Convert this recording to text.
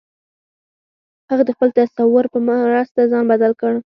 هغه د خپل تصور په مرسته ځان بدل کړ